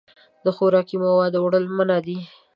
د خوراکي موادو وړل منع دي.